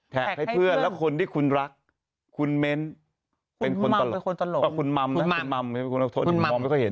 แท็กให้เพื่อนแล้วคนที่คุณรักคุณเม้นคุณม่ำเป็นคนตลก